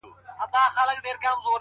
يارانو راټوليږی چي تعويذ ورڅخه واخلو ـ